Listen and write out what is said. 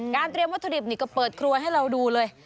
เตรียมวัตถุดิบนี่ก็เปิดครัวให้เราดูเลย